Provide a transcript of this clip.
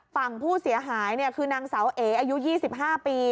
ฝั่งผู้เสียหายคือนางเสาเออายุ๒๕ปี